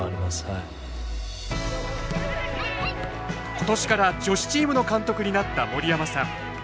今年から女子チームの監督になった森山さん。